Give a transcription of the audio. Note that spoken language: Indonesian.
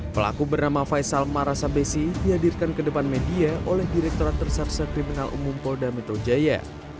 pelaku bernama faisal marasabesi dihadirkan ke depan media oleh direkturat terserse kriminal umum polda metro jaya